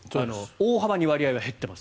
大幅に割合は減っています。